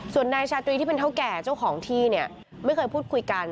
ส่วนนายชาตรีที่เป็นเท่าแก่เจ้าของที่เนี่ยไม่เคยพูดคุยกัน